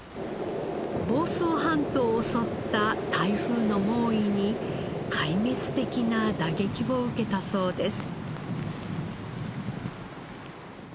房総半島を襲った台風の猛威に壊滅的な打撃を受けたそうです。